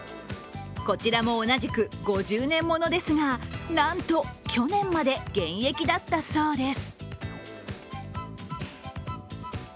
こちらも同じく５０年ものですがなんと去年まで現役だったそうです。